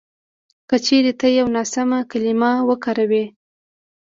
که چېرې ته یوه ناسمه کلیمه وکاروې